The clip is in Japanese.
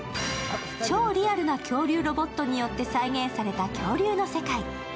超リアルな恐竜ロボットによって再現された恐竜の世界。